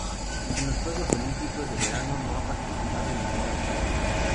En los Juegos Olímpicos de Verano no ha participado en ninguna edición.